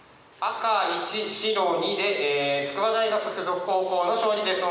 赤１白２で筑波大学附属高校の勝利です。